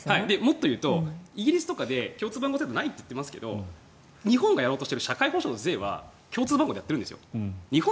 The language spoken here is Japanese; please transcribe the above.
イギリスで共通番号制度ないといっていますが日本がやろうとしている社会保障と税は共通の番号でやってるんですよ。